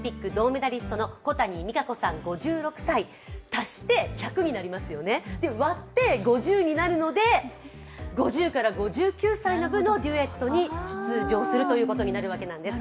足して１００になりますよね、でも割って５０になるので５０５９歳の部のデュエットに出場するということになるわけなんです。